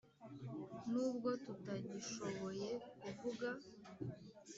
nubwo tutagishoboye kuvuga,